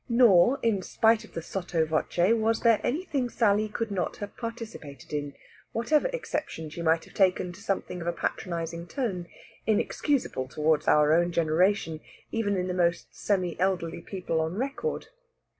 Nor, in spite of the sotto voce, was there anything Sally could not have participated in, whatever exception she might have taken to something of a patronising tone, inexcusable towards our own generation even in the most semi elderly people on record.